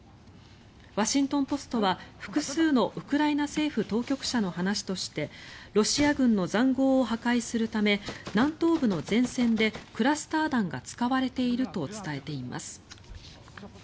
ワシントン・ポストは複数のウクライナ政府当局者の話としてロシア軍の塹壕を破壊するため南東部の前線でクラスター弾が使われていると伝えています。